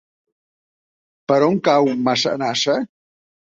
Per on cau Massanassa?